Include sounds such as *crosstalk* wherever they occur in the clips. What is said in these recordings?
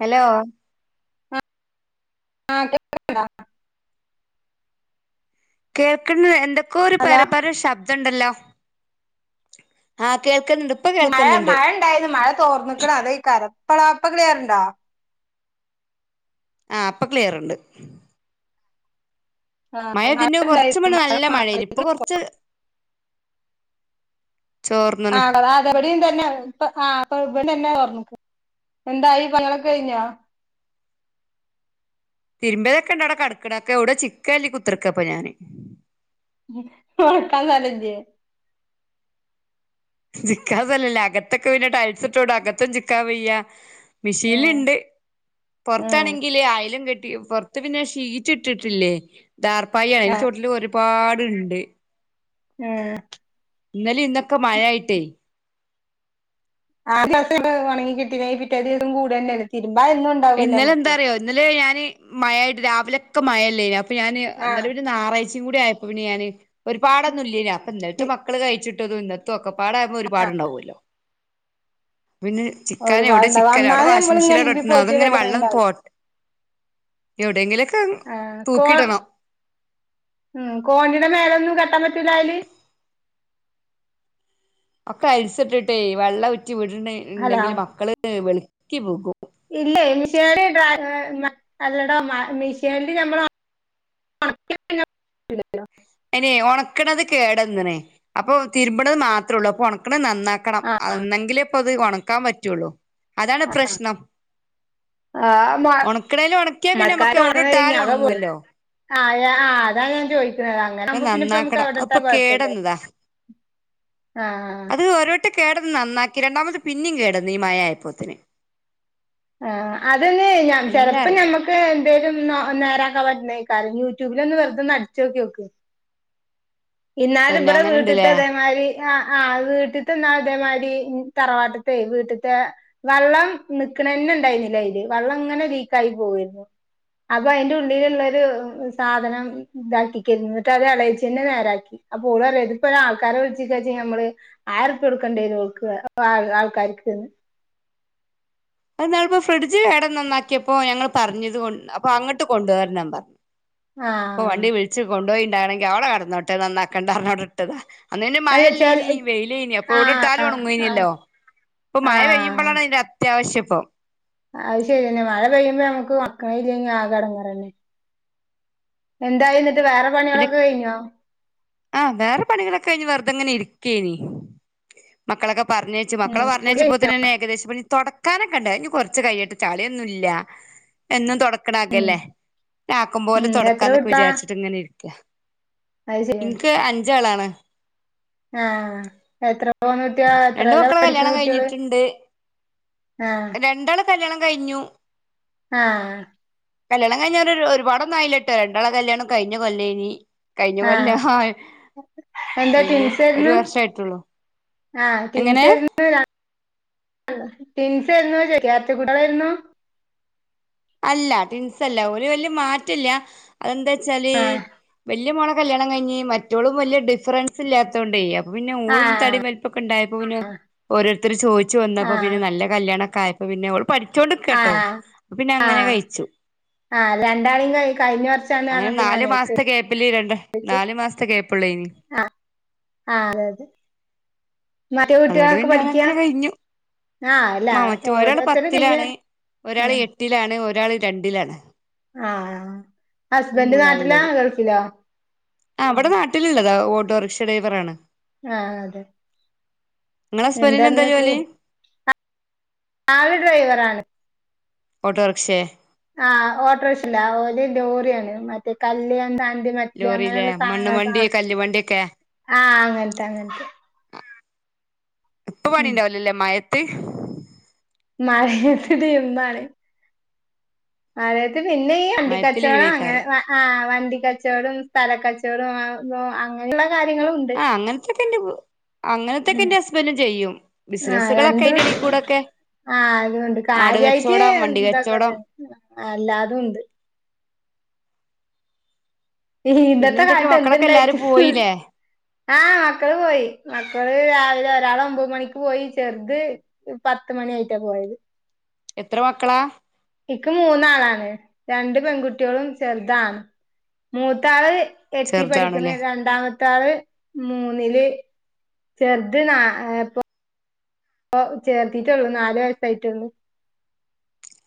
Hello ആഹ് *inaudible* കേൾക്ക്ന്ന് എന്തൊക്കോ ഒരു hello പരപര ശബ്ദണ്ടല്ലോ ആ കേൾ മഴ മഴ ഇണ്ടായിരുന്നു. മഴ തോർന്ന് ക്ക്ണ് അതെയ്ക്കാരം ഇപ്പതാ ഇപ്പ ക്ലിയറ് ഇണ്ടാ? ആ ഇപ്പ ക്ലിയറ്ണ്ട്. ആ മഴ കുറച്ച് ഇണ്ടായിരുന്നു. മുന്നെ മഴ നല്ല മാറി മഴേനി ഇപ്പൊ *inaudible* കൊറച്ച് ആണോ ചോർന്ന്ണ് ആഹ് താ ഇബടേം തന്നെ ഇപ്പ ആഹ് ഇപ്പ ഇവടെന്നെ തൊർന്ന്ക്ക്. എന്തായി *unintelligible* കഴിഞ്ഞോ? തിര്മ്പിയതൊക്കെ ഇണ്ട് അവിടെ കെടക്ക്ണ്. അഹ് ഒക്കെ ഒവ്ടെ ചിക്ക്ല്ലി കുത്തർക്കാപ്പ ഞാന്. വെക്കാൻ സെലല്ല്യേ ജിക്കാതല്ലല്ല അകത്തൊക്കെ പിന്നെ ടൈൽസ് ഇട്ടോണ്ട് അകത്തും ചിക്കാൻ വെയ്യ. ഉം മിഷീൻല്ണ്ട് ഉം പൊറത്താണെങ്കില് അ യേലും കെ ട്ടി. പൊർത്ത് പിന്നെ ഷീറ്റ് ഇട്ടിട്ടില്ലേ ടാർപ്പായി ആ അയിന്റെ ചോട്ടില് ഒര്പാട് ഇണ്ട്. ഏഹ് ഇന്നലെ ഇന്നൊക്കെ മഴയായിട്ടേ ആദ്യൊക്കെ ഇത് ഒണങ്ങി കിട്ടിലേ പിറ്റേ ദിവസം കൂട്ന്നെ ഇല്ല തി ഇന്നലെ എന്താ അറിയോ ഇന്നലെ ഞാന് മഴയായിട്ട് രാവിലെ ഒക്ക മഴയല്ലേനു അ അപ്പ ഞാന് ആ ഇന്നലെ പിന്നെ ഞായറാഴ്ച്ചയും കൂടിയായപ്പോ പിന്നെ ഞാന് ഒരുപാടൊന്നും ഇല്ലേന് അപ്പ ഇന്നൽത്തെ മക്കള് കഴിച്ചി ട്ടതു ഇന്നത്തൊ ഒക്ക പാടായപ്പോ ഒരുപാടുണ്ടാവു അല്ലോ. പിന്നെ ചിക്കാന് എവിടെയാ ഒരുപാടുണ്ടാവും ചിക്കല് അവിടെ അന്നാലും വാഷിംഗ് നമ്മളിങ്ങനെ മെഷീലവിടെ തിരുമ്പി ഇട്ട്ണ് പോയിച്ച് അതങ്ങനെ വല്ല പണി വെള്ളം പോ ഉണ്ടാവും എവിടെയെങ്കിലൊ ആഹ് കോ ഉം കോണീടെ മേലൊന്നും കെട്ടാൻ പറ്റൂലാ അയല്. ഒക്ക അയിൽസ് ഇട്ടിട്ടെ വെള്ളം ഉറ്റി വിട്ണ് ഇണ്ടെങ്കില് മക്കള് വെള്ക്കി വികും. ഇല്ലെയ് മിഷേല് ടാ ഏഹ് അല്ലടോ മ മിഷേൻല് നമ്മള ഒണക്ക്യാ പിന്നെ *unintelligible* അയിനെ ഉണക്കണത് കേടന്നണേ അപ്പൊ തിര്മ്പ്ണത് മാത്രൊള്ളൂ അപ്പൊ ഒണക്ക്ണത് നന്നാക്കണം അന്നെങ്കിലേ പ്പത് ഒണക്കാൻ പറ്റ്വോള്ളൂ. അതാണ് പ്രശ്നം. ആ ഒണക്കണേല് ഒണക്ക്യാ പിന്നെമ്മക്ക് യൗടെട്ടാലൊണങ്ങൊല്ലോ ആഹ് യാ ആ താ ഞാൻ ചോയ്ക്ക്ണെ. അങ്ങനെ അത് ആവുമ്പോ പിന്നെപ്പ നമക്ക് നന്നാക്കണം എവടെ അതിപ്പൊ ഇട്ടാലും കുഴപ്പില്ല കേടന്നതാ ആ ട്ട് കേടന്ന് നന്നാക്കി രണ്ടാമത് പിന്നിം കേടന്ന് ഈ മയായപ്പോത്തിന്. ആഹ് അതെന്നെ ഞ ചെലപ്പം അറിയില്ല ഞമ്മക്ക് പെരും നോ നേരാക്കാൻ പറ്റ്ണേകാരം യൂട്യൂബിലൊന്ന് വെർതൊന്ന് അടിച്ചോക്ക്യോക്ക്. ഇന്നാലും പിന്നെ ബടെ അങ്ങനെ ഉണ്ടല്ലേ വീട്ട്ത്തെ ഇതേമാരി ആഹ് ആഹ് വീട്ട്ത്തെ ന്നാൾ ഇതേമാരി തറവാട്ട്ത്തെ വീട്ട്ത്തെ വള്ളം നി ക്ക്ണെന്നെ ണ്ടായിര്ന്നില്ല അയില് വള്ളം ങ്ങനെ ലീക്കായി പോവേര്ന്നു. അപ്പൊ അയ്ന്റെ ഉള്ളിലുള്ളൊരു സാധനം ഇതാക്കിക്കേര്ന്നു ങ്ങട്ട് അത് എളയിച്ചെന്നെ നേരാക്കി. അപ്പോള റ്യാ ഇത്പ്പോരാൾക്കാരെ വിളിച്ച്ക്കേചെ ഞമ്മള് ആയിരുപ്യൊട്ക്കേണ്ട്യരും ഓൾക്ക് ആൾ ആൾക്കാ *unintelligible* അത് ന്നാളിപ്പോ ഫ്രിഡ്ജ് കേടന്നന്നാക്ക്യപ്പോ ഞങ്ങൾ പർഞ്ഞത് കൊൺ അപ്പൊ അങ്ങട്ട് കൊണ്ടോരണം പർഞ്ഞ്. ഇപ്പൊ ആഹ് വണ്ടി വിളിച്ച് കൊണ്ട് പോയിട്ടാണെങ്കിൽ അവടെ കെടന്നോട്ടേ നന്നാക്കേണ്ട പറഞ്ഞിട്ട് ഇട്ടതാ അന്ന് പിന്നെ അല്ല ചെല മയല്ലേനി വെയ്ലേനി അപ്പൊ യൗടെ ട്ടാലും ആഹ് ആഹ് ഒണങ്ങേന്യെല്ലോ. ഇപ്പൊ മയ പെയ്യുമ്പളാണ് അയ്ന്റെ അത്യാവശ്യപ്പൊ അയ് ശെര്യന്നെ മഴ പെയ്യുമ്പളാണ് അമക്ക് ഒണക്ക്ണേ ഇല്ലങ്കി ആകെ എടങ്ങേറെന്നെ. എന്തായിങ്ങട്ട് വേറെ പണികളൊക്കെ കയിഞ്ഞോ? ആഹ് വേറെ പണികളൊക്കെ കയിഞ്ഞ് വെറ്തെങ്ങനെ ഇരിക്കേനി മക്കളൊക്കെ പർഞ്ഞേച്ച് ഉം മക്കളെ കുളി പർഞ്ഞേച്ചപ്പോത്തിന്നെന്നെ ഏകദേശ പണി തൊട ക്കാനെക്കെണ്ട് അത് ഞ് കൊർച്ച് കയ്യെട്ടെ ചള്യൊന്നുല്ല എന്നും തൊട ഉം ക്ക്ണകല്ലേ ആക്കംപോലെ ഉം എത്ര തൊടക്കാന്നൊക്കെ കുട്ടിയാ വിചാരിച്ചിട്ടങ്ങെനിരിക്ക. അത് ശരിയാണ് ഇൻക്ക് അഞ്ചാളാണ്. ആഹ് എത്ര പോന്നട്ട്യാളാ രണ്ട് എത്രേലാ മക്കളെ പഠിക്കണ കല്യാണം കുട്ട്യേള്. കഴിഞ്ഞിട്ടുണ്ട് ആഹ് രണ്ടാളെ കല്യാണം കഴിഞ്ഞു ആഹ് കല്യാണം കഴിഞ്ഞ ഒരു ഒരുപാടൊന്നായില്ലെട്ടോ രണ്ടാള കല്യാണം കഴിഞ്ഞ കൊല്ലേനി കയിഞ്ഞു ആഹ് കൊല്ലം പിന്നെ ഒരു വർഷ ആയിട്ടുള്ളു ആ ട്വിൻസേയിരുന്ന് രാ ട്വിൻസ് *unintelligible* എരട്ട കുട്ടികളായിരുന്നോ അല്ല ട്വിൻസല്ല ഓര് വല്ല്യ മാറ്റല്ല ന്താച്ചാല് ആഹ് വല്യ മോള കല്യാണം കയിഞ്ഞ് മറ്റോളും വല്യ ഡിഫറൻസ് ഇല്ലാത്തോണ്ടെ പിന്നെ ഓളും തടി ആഹ് വലിപ്പക്കെ ഉണ്ടായപ്പോ പിന്നെ ഓരോരുത്തർ ചോദിച്ചു വന്നപ്പോ ആഹ് പിന്നെ നല്ല കല്യാണം ആയപ്പ പിന്നെ ഓള് പഠിച്ചോണ്ടികേട്ടോ ആഹ് അപ്പ പിന്നെ അങ്ങനെ ആഹ് കയിച്ചു ആഹ് രണ്ടാളെയും കഴി കഴിഞ്ഞ വർഷാന്ന് അങ്ങനെ പറഞ്ഞപ്പോ നാലു ഞാനേ മാസത്തെ ഗേപ്പില് രണ്ട് ചോദിച്ച് നാലു മാസത്തെ ഗേപ്പുള്ളേനി ആഹ് ആഹ് അതെ അതെ മറ്റേ അതോണ്ട് കുട്ടികളൊക്കെ പിന്നെ അത് പഠിക്കാ അങ്ങനെ കയിഞ്ഞു ആഹ് അല്ല മാ മറ്റ് ഒരാൾ ഓരോരുത്തര് കഴിഞ്ഞ പത്തിലാണ് ഒരാൾ ആഹ് എട്ടിലാണ് ഒരാൾ രണ്ടിലാണ് ആഹ് ഹസ്ബന്റ് നാട്ടിലാ ഗൾഫിലാ ആഹ് ഇവട നാട്ടിലുള്ളതാ ഓട്ടോറിക്ഷ ഡൈവറാണ് ആഹ് അതെ നിങ്ങളെ ഹസ്ബന്റിന് എന്താ എന്താന്നക്കൂ ജോലി അഹ് ആള് ഡ്രൈവർ ആണ് ഓട്ടോറിക്ഷേ ആഹ് ഓട്ടോറിക്ഷല്ല ഓല് ലോറിയാണ് മറ്റേ *unintelligible* ലോറില്ലേ അങ്ങനെയുള്ള മണ്ണ് സാധനങ്ങളൊക്കെ വണ്ടി കല്ല് വണ്ടിയൊക്കെ ആ ആ അങ്ങനത്തെ അങ്ങനത്തെ ഇപ്പ പണി ഉം ഇണ്ടാവുല്ല ല്ലേ മഴ *unintelligible* മഴത്ത് പിന്നെ ഈ മഴത്ത് അണ്ടിക്കച്ചവടം അങ്ങനെ ലീവേക്കാരം വ ആഹ് വാ വണ്ടി കച്ചോടം സ്ഥല കച്ചോടം *unintelligible* അങ്ങന ള്ളെ ആഹ് അങ്ങനത്തൊക്കെ ഇന്റ് അങ്ങനത്തക്കെ ഉം ഇന്റെ ഹസ്ബന്റും ചെയ്യും ആഹ് ബിസിനസ്സുകളൊക്കെ രണ്ടും അയ്‌ന്റെ ഉണ്ട് എടീക്കൂടെ ഒക്കെ ആഹ് അതണ്ട് കാര്യയിട്ട് വണ്ടി കച്ചോടം *unintelligible* അല്ലാതും ഉണ്ട് ഇന്നത്തെ പിന്നെന്തൊക്കെ കാലത്ത് മക്കളൊക്കെ എന്ണ്ടായിട്ടു എല്ലാരും പോയില്ലേ ആഹ് മക്കള് പോയി മക്ക കള് രാവിലെ ഒരാള ഒമ്പത് മണിക്ക് പോയി ചെർത് പത്ത് മണി ആയിട്ട പോയത് എത്ര മക്കളാ എക്ക് മൂന്നാളാണ് രണ്ട് പെൺകുട്ടികളും ചെറുതാണ് മൂത്താള് എട്ടിൽ പഠിക്കുന്ന ചെറുതാണല്ലേ രണ്ടാമത്തെ അടുത്താൽ മൂന്നില് ചെറുത് നപ്പൊ അപ്പ ചേർത്തിട്ടുള്ളു നാലു വയസായിട്ടൊന്ന്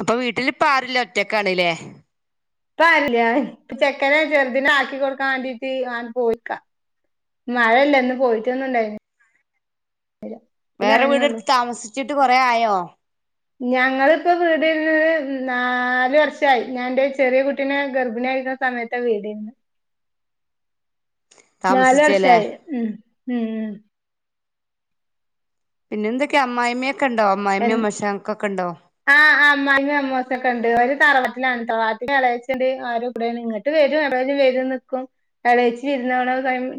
അപ്പൊ വീട്ടിൽ ഇപ്പാരൂല്ല ഒറ്റക്കാണല്ലേ ഇപ്പ ആരൂല്ല ചെക്കനെ ചെറുതിനെ ആക്കി കൊടുക്കാൻ വേണ്ടിട്ട് അവൻ പോയിക്ക മഴയല്ല ഇന്ന് പോയിട്ട ഒന്ന ഇണ്ടാ വേറെ വീടെടുത്ത് താമസിച്ചിട്ട് കൊറെ ആയോ ഞങ്ങളിപ്പോ വീട് നാല് വർഷമായി ഞാൻ എന്റെ ചെറിയ കുട്ടിനെ ഗർഭിണിയായി സമയത്ത വേട നാല താമസിച്ചേല്ലേ വർഷമായി ഉ ഉം ഉ പിന്നെ എന്തൊക്കെ അമ്മായി്മ എ ആ അമ്മായിയമ്മാ ഒക്കെ ഉണ്ട് ഒരു തറവത്തി തറട്ട കടച്ചിണ്ട് ആരും ഇവിടെ ഇങ്ങിട്ട് വരും എവിടെും വ നിക്കും കട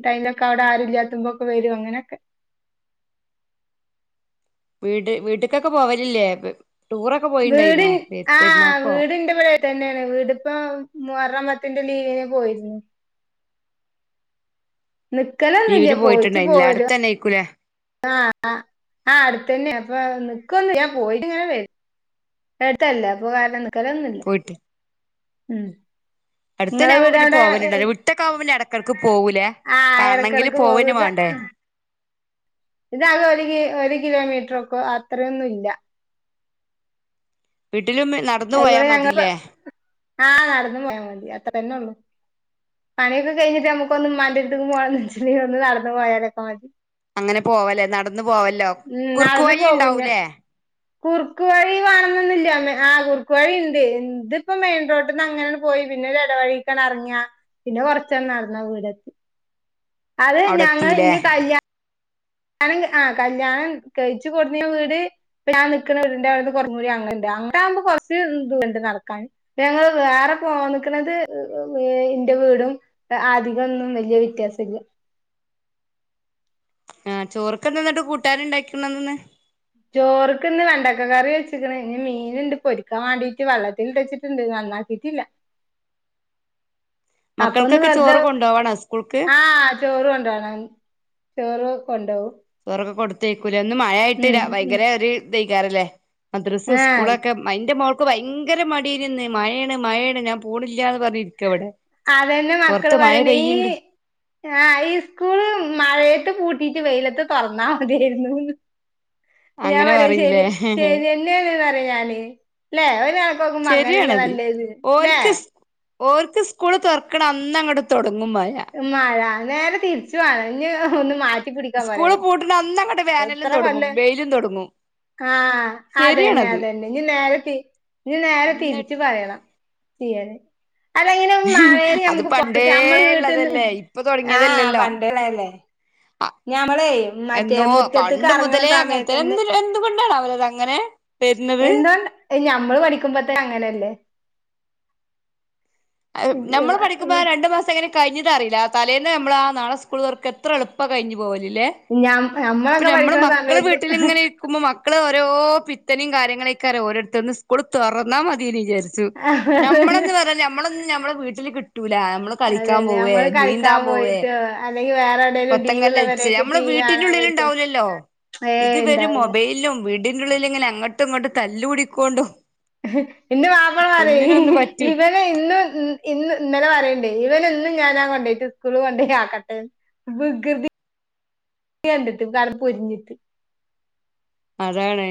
ടൈമൊക്കെ അവിടെ ആരുല്ലാത്തുമ്പോ ഒക്കെ വരും അങ്ങനെയൊക്കെ *unintelligible* വീട് വീട്ടക്കൊക്കെ പോവലല്ലേ ടൂറൊക്കെ വീട് പോയിണ്ടായിന്നോ ആഹ് പരുന്നക്കോ വീടിന്റെ ഇവിടെ തന്നെയാണ് വീടിപ്പ മറണാമത്തിന്റെ ലീവിനെ പോയിരുന്നു നിക്കലൊന്നില്ല ലീവിന് പോയിട്ടു പോയിട്ടുണ്ടായിനില്ലേ പോര അടുത്തന്നേക്കൂലേ ആഹ ആ അടുത്തന്നെ അപ്പൊ നിിക്കന്ന് ഞാൻ പോയി ഇങ്ങനെ വരും എടുത്തല്ലേ അപ്പൊ കാല നക്കാലൊന്നുമില്ല ഉ അടുത്തന്നെ ആകുമ്പോ പിന്നെ പോലുണ്ടട്ടക്കാവ് പോന്നെ ഇടയ്ക്ക് പോവൂലേ ആഹ് കാണമെങ്കില് എടക്കെടക്ക് പോകും പോവന് ഇത് വേണ്ടേ ഇതാകെ ഒരു ഒരു കിലോമീറ്റർ ഒക്കെ അത്രയൊന്നും ഇല്ല വീട്ടിലും നടന്നു പോയാ അയികൂടെ ഞങ്ങ മതില്ലേ ആഹ് നടന്നു പോയാൽ മതി അത്ര തന്നെ ഉള്ളു പണിയൊക്കെ കഴിഞ്ഞിട്ട് നമ്മുക്കൊന്ന്ും മറ്റടു പോെ ഒന്ന് നടന്നു പോയാലൊക്കെ മതി അങ്ങനെ പോവല്ലെ നടന്ന പോവല്ലോ കുറുക്ക് വഴി ഉണ്ടാവൂലേ കുറുക്കു വഴി വേണന്നില്ല അമ്മേ ആഹ കു റൂക്കു വഴി ഉണ്ട് ഇന്ത് ഇപ്പ മെയിൻ റോട്ടന്ന് അങ്ങന പോയി പിന്നെ ഇടവഴിക്കൻ ഇറങ്ങിയാ പിന്നെ കൊറച്ചന്നെ നടന്നാ വീടത്തി അത് ഞങ്ങൾ അവിടെത്തീലേ ഇന്ന് കല്യാണം കണം ആ കല്യാണം കഴിച്ചു കൊടു വീട് ഇപ്പ ഞാൻ നിക്കുന്ന വീടു അവിടുത്തെ കുറഞ്ഞൂടി അങ്ങനെ ഇണ്ട അകൂമ്പോ കൊറച്ച് ഇണ്ട് നടക്കാൻ ഞങ്ങള് വേറെ പോകാൻ നിക്കണത് വീടും അധികൊന്നും വലിയ വ്യത്യാസമില്ല ആഹ് ചോറൊക്ക എന്താന്നട്ടോ കൂട്ടുകാര് ഇണ്ടാക്കണന്ന് ചോറക്ക് ഇന്ന് വെണ്ടക്ക കറി വെച്ചക്കണ ഇ മീൻണ്ട് പൊരിക്കാൻ വേണ്ടിട്ട് വെള്ളത്തി വെച്ചിട്ടുണ്ട് നാക്കിട്ടല്ല അപ്പൊ ഒന്ന് മക്കൾക്കൊക്കെ വെറുത ചോറ് കൊണ്ടോവണോ സ്കൂൾക്ക് ആഹ് ചോറ് കൊണ്ടണം ചോറൊക്കെ ഉണ്ടാവും കൊടുത്തേക്കൂല ഒന്ന് മഴയായിട്ടില്ല ഭയങ്കര ഒരു ഇയ്ക്കാറല്ലേ ആ ദ്രസ്ം ആഹ് സ്കൂളൊക്കെ അൻന്റെ മോ ഇക്ക ഭയങ്കര മടിയി ഇരുന്ന് മഴയാണ് മഴയാണ് ഞാൻ പോൂണില്ലന്ന് പറഞ്ഞ അതന്നെ മക്കള് പറയണ ഈ പെയ്യണ്ട് ആ ഹൈസ്കൂൾ മഴയട്ട പട്ടി ട്ടിട്ട് വെയിലത്ത് തൊറന്നാ മതിയാരുന്നുന്ന് ഞാൻ അങ്ങനെ പറയാ പറയിലേ ശരി ശരി ന്നെയാണ് പറയാ ഞാന് ല്ലേ കണക്ക് നോക്കുമ്പോ അങ്ങനെഅല്ലേ നല്ലത് ഓല്ക്ക് സ്കൂള് തൊറക്ക്ണ അന്ന് അങ്ങ് തൊടങ്ങും മയ മഴ നേരെ തിരിച്ചു വാണം നി ഒന്ന് മാറ്റി പിടിക്കാൻ സ്കൂള് പറയണം പൂട്ടുന്ന അന്ന് അങ്ങട്ട് വേനലും ഇത്ര കൊല്ല തൊടങ്ങും വെയിലും തൊടങ്ങും ആഹ് അതന്നെ അതന്നെ നി നേരെ നി നേരെ എന്നിട്ട് തിരിച്ച് പറയണം ചെയ്യാന് അല്ല ഇങ്ങനെ മഴയില് അത് നമ്മക്ക് പണ്ടേ പൊറത്ത്ക്ക് നമ്മള് വീട്ടിന്ന് ഉള്ളതല്ലേ ഇപ്പൊ ആഹ് തുടങ്ങിയതല്ലല്ലോ പണ്ട്ള്ളല്ലേ ഞമ്മുടെ മറ്റേ എന്നോ മുറ്റത്ത്ക്ക് പണ്ട് ഇറങ്ങണ മുതലേ അങ്ങനത്തെ സമയത്തന്നെ എന്ത് എന്തുകൊണ്ടാണാവലത് അങ്ങനെ വരുന്നത് എന്തുകൊണ്ടാ ഞമ്മള് പഠിക്കുമ്പത്തന്നെ അങ്ങനെഅല്ലേ നമ്മള് പഠിക്കുമ്പോ ആ രണ്ടു മാസം എങ്ങനെ കഴിഞ്ഞത് അറിയില്ല തലേന്ന് നമ്മള് ആ നാളെ സ്കൂൾ തൊറക്കാ എത്ര എളുപ്പ കഴിഞ്ഞു പോവ ല്ലെ ഞം ഇപ്പ ഞമ്മളൊക്കെ നമ്മള് പഠിക്കുന്ന മക്കള് സമയത്ത് വീട്ടില് ഇങ്ങനെ ഇരിക്കുമ്പോ മക്കള് ഓരോ പി പിത്തനയും കാര്യങ്ങളെക്കാരം ഓരോരുത്തന്ന് സ്കൂള് തൊറന്നാ മതിന്ന് വിചാരിച്ചു അതന്നെ ഞമ്മളന്ന് പറയാ ഞമ്മള് ഞമ്മളെ വീട്ടില് കിട്ടൂല ഞമ്മള് കളിക്കാൻ അതന്നെ പോവേ ഞമ്മള് കളിക്കാൻ നീന്താൻ പോവേ പോയിട്ടോ അല്ലെങ്കി വേറെ എവിടേലും കൊത്തങ്കല്ല് ലീവുള്ള കളിച്ച് പെരേക്ക് ഞമ്മള് ടി വി കാണാൻ പോയിട്ടോ വീട്ടിന്റെഉള്ളിലുണ്ടാവൂലല്ലോ ഇത് ഏയ് ഇവര് ഇണ്ടാവൂല മൊബൈലിലും വീടിന്റെള്ളിലെങ്ങനെ അങ്ങോട്ടും ഇങ്ങോട്ടും തല്ല് കൂടിക്കോണ്ടും ന്റെ മാപ്പള പറയ് ഒന്നിനൊന്ന് പറ്റും ഇവനെ ഇന്നും ഇന്ന് ഇന്നലെ പറയണ്ടേ ഇവനെ ഇന്നും ഞാനാ കൊണ്ടോയിട്ട് സ്കൂള് കൊണ്ടോയി ആക്കട്ടെ വികൃതി തി കണ്ടിട്ട് കറു പൊരിഞ്ഞിട്ട് അതാണ്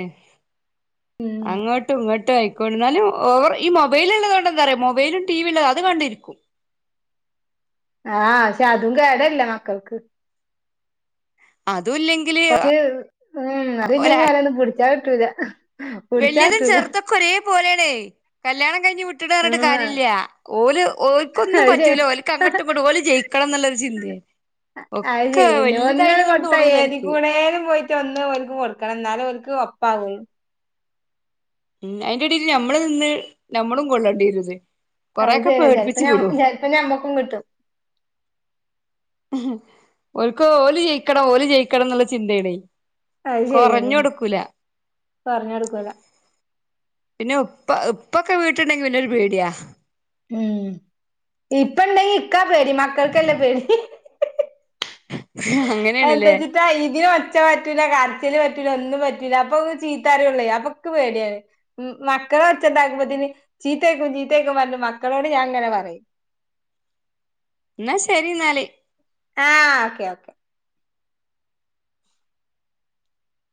ഉം അങ്ങോട്ടും ഇങ്ങോ ആയിക്കോ എന്നാലും ഓവർ ഈ മൊബൈല് ഉള്ളത് കൊണ്ട് എന്താറിയോ മൊബൈലും ടി വി ഉള്ളത് അത് കണ്ടിരിക്കും ആഹ് പഷേ അതും കേടല്ലേ മക്കൾക്ക് അത് കൊറച്ച് ഉം അതില്ലങ്കി ഓലെ ഒന്നും പിടിച്ചാൽ കിട്ടൂല പിടിച്ചാ വലിയതും കിട്ടൂല ചെറുതൊക്കെ ഒരേ പോലെയണേ കല്യാണം കഴിഞ്ഞ് വിട്ടിണ്ണ് പറഞ്ഞിട്ട് ഉം കാര്യമില്ല ഓല് ഓർക്കൊന്നും അത് ശരി പറ്റൂല ഓലക്ക് അങ്ങട്ടുംഇങ്ങട്ടും ഓല് ജയിക്കണം ന്നൊള്ള ഒരു ചിന്തയാ അ അത് ഒക്കെ ശെരി ഒന്ന വലുതായിന്നൊന്നും കൊടുത്താ തോന്നൂല ഏതി ഓൽക്ക് കൂടെലും പോയിട്ട് ഒന്ന് ഓല്ക്ക് കൊടുക്കണം എന്നാലും ഓല്ക്ക് പൗൾ ഉം അയിന്റെ ഇടയിൽ നമ്മള് നിന്ന് നമ്മളും കൊള്ളണ്ടിരുന്ന് അത് ശെരിയാ ചെലപ്പ ചെലപ്പ ഞമ്മക്കും കിട്ടും ഓൽക്ക് ഓല് ജയിക്കണം ഓല് ജയിക്കണം എന്നുള്ള ചിന്തായാണേ അത് കൊറഞ് ശരിയന്നെയാണ് കൊടുക്കൂല പറഞ്ഞ് കൊടുക്കൂല പിന്നെ- ഉപ്പ ഉപ്പൊക്കെ വീട്ടുണ്ടെങ്കി പിന്നൊരു പേടിയാ ഉം ഇപ്പ ഇണ്ടെങ്കി ഇക്കാ പേടി മക്കൾക്കല്ല പേടി അങ്ങനെയാണ്ല്ലേ എന്താച്ചിട്ടാ ഇതിന് ഒച്ച പറ്റൂല കാരണം പറ്റൂല ഒന്നും പറ്റൂല അപ്പൊ ചീത്തപറയുള്ളെ അമക്ക് പേടിയാണ് മക്കളെ- ഒച്ചാണ്ടാക്ക്പത്തിന് ചീത്തേക്കും ചീത്തേക്കും പറഞ് മക്കളോട് ഞാൻ അങ്ങനെ പറയും എന്നാ ശെരി എന്നാല് ആഹ് ഓക്കെ ഓക്കെ